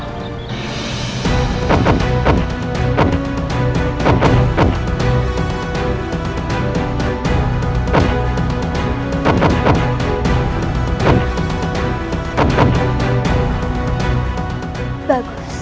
bagaimana cara kau membuat kuda kuda tersebut